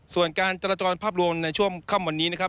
ส่วนการจราจรภาพรวมในช่วงค่ำวันนี้นะครับ